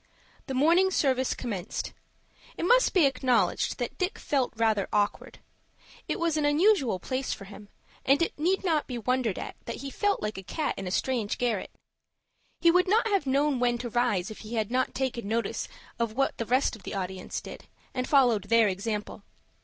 The morning service commenced. It must be acknowledged that Dick felt rather awkward. It was an unusual place for him, and it need not be wondered at that he felt like a cat in a strange garret. He would not have known when to rise if he had not taken notice of what the rest of the audience did, and followed their example.